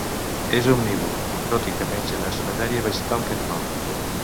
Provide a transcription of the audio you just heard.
És omnívor, tot i que menja més matèria vegetal que animal.